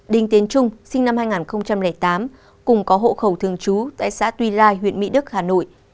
đình tiến trung sinh năm hai nghìn tám cùng có hộ khẩu thương chú tại xã tuy lai huyện mỹ đức hà nội